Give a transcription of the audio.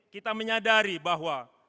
kita menyadari bahwa